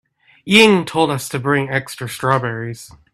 Ying told us to bring extra strawberries.